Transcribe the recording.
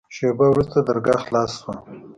شېبه وروسته درګاه خلاصه سوه.